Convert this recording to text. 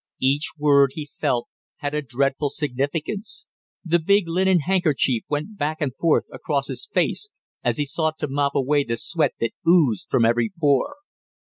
Each word, he felt, had a dreadful significance; the big linen handkerchief went back and forth across his face as he sought to mop away the sweat that oozed from every pore.